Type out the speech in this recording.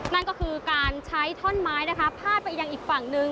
นั่นก็คือการใช้ท่อนไม้นะคะพาดไปยังอีกฝั่งหนึ่ง